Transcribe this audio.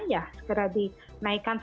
ya segera dinaikkan